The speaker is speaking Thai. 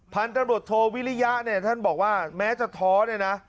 พันธุ์ตำรวจโทวิริยะเนี่ยท่านบอกว่าแม้จะท้อเนี่ยนะ